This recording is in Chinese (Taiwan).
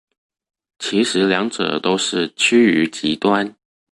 其實兩者都是趨於極端